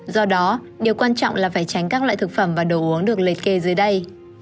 do đó điều quan trọng là phải tránh các loại thực phẩm và đồ uống được liệt kê dưới đây